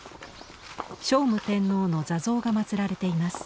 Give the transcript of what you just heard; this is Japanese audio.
聖武天皇の座像が祀られています。